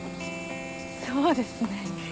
そうですね。